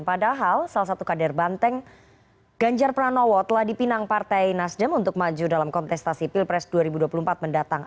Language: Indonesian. padahal salah satu kader banteng ganjar pranowo telah dipinang partai nasdem untuk maju dalam kontestasi pilpres dua ribu dua puluh empat mendatang